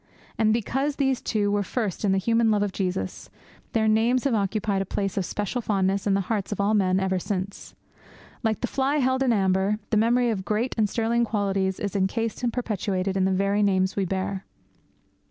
And because those two were first in the human love of Jesus, their names have occupied a place of special fondness in the hearts of all men ever since. Like the fly held in the amber, the memory of great and sterling qualities is encased and perpetuated in the very names we bear.